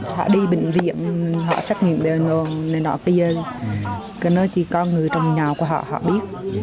họ đi bệnh viện họ xét nghiệm bệnh nó chỉ có người trong nhà của họ họ biết